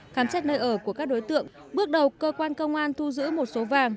khám xét nơi ở của các đối tượng bước đầu cơ quan công an thu giữ một số vàng